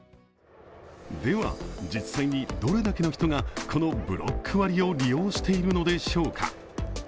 では実際に、どれだけの人がこのブロック割を利用しているのでしょうか。